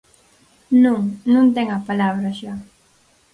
Non, non ten a palabra xa.